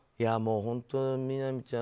本当、みなみちゃん